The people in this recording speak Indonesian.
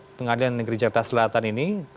pengadilan tinggi dki jakarta selatan ini